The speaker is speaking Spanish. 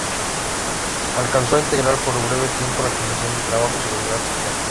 Alcanzó a integrar, por breve tiempo, la Comisión de Trabajo y Seguridad Social.